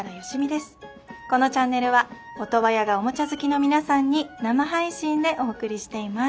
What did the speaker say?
このチャンネルはオトワヤがおもちゃ好きの皆さんに生配信でお送りしています。